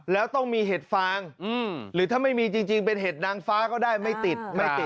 แล้วต้องมีเห็ดฟางหรือถ้าไม่มีจริงเป็นเห็ดนางฟ้าก็ได้ไม่ติดไม่ติด